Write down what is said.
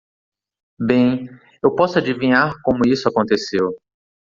Bem? Eu posso adivinhar como isso aconteceu.